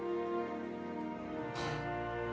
はあ。